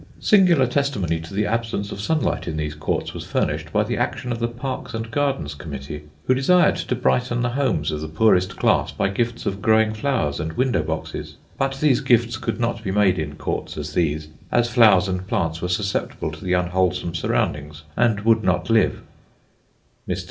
Singular testimony to the absence of sunlight in these courts was furnished by the action of the Parks and Gardens Committee, who desired to brighten the homes of the poorest class by gifts of growing flowers and window boxes; but these gifts could not be made in courts such as these, as flowers and plants were susceptible to the unwholesome surroundings, and would not live. Mr.